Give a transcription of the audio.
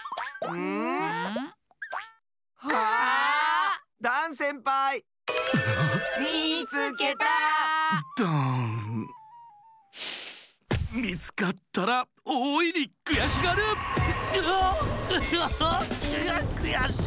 うわっくやしい。